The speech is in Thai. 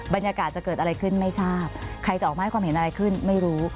บรรยากาศจะเกิดอะไรขึ้นไม่ทราบใครจะออกมาให้ความเห็นอะไรขึ้นไม่รู้